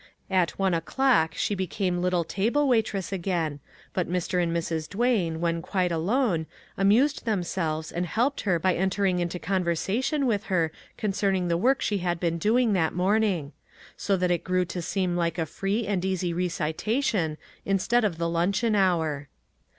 At one o'clock she became little table waitress again, but Mr. and Mrs. Duane, when quite alone, amused themselves and helped her by enter ing into conversation with her concerning the work she had been doing that morning ; so that it grew to seem like a free and easy recitation instead of the luncheon hour.